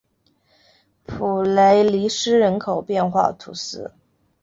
普雷尼斯人口变化图示